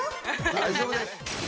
大丈夫です！